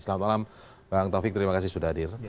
selamat malam bang taufik terima kasih sudah hadir